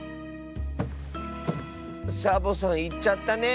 サボさんいっちゃったね。